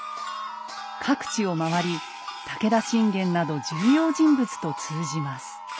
各地を回り武田信玄など重要人物と通じます。